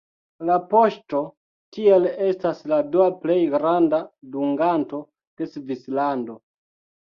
La poŝto tiel estas la dua plej granda dunganto de Svislando.